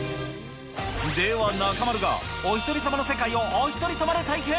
では中丸が、おひとり様の世界をおひとり様で体験。